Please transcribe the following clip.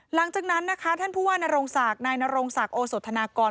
หลังจากนั้นนะคะท่านผู้ว่านโรงศักดิ์นายนรงศักดิ์โอสธนากร